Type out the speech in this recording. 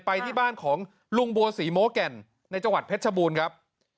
ไปที่บ้านของลุงบัวศรีโมแก่นในจังหวัดเพชรชบูรณ์ครับ